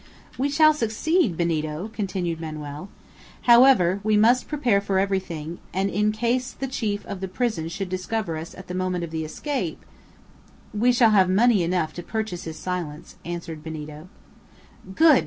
"We shall succeed, Benito!" continued Manoel. "However, we must prepare for everything; and in case the chief of the prison should discover us at the moment of escape " "We shall have money enough to purchase his silence," answered Benito. "Good!"